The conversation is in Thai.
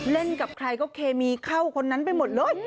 กับใครก็เคมีเข้าคนนั้นไปหมดเลย